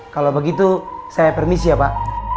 kalau begitu saya permisi ya pak